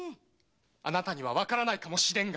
あなたにはわからないかもしれんが。